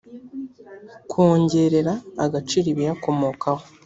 kongerera agaciro ibiyakomokaho